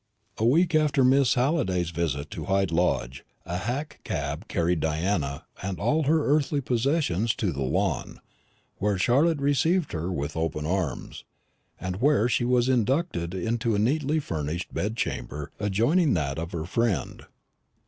A week after Miss Halliday's visit to Hyde Lodge a hack cab carried Diana and all her earthly possessions to the Lawn, where Charlotte received her with open arms, and where she was inducted into a neatly furnished bedchamber adjoining that of her friend.